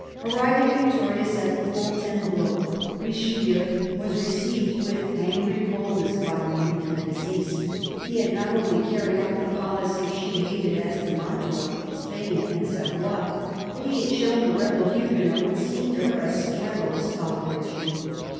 Arriving victorious at Fontainebleau, Richelieu was received with angry coldness by Marie de Medicis. He had not only carried out the policy she hated as to Mantua, Spain, and Savoy, but he had shown the rebel Huguenots what seemed to her a scandalous toleration.